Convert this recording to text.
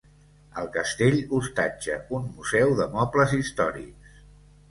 El castell hostatja un museu de mobles històrics.